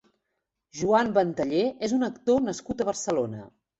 Joan Bentallé és un actor nascut a Barcelona.